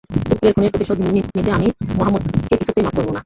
পুত্রের খুনের প্রতিশোধ নিতে আমি মুহাম্মাদকে কিছুতেই মাফ করব না।